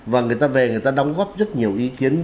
và người ta về người ta đóng góp rất nhiều ý kiến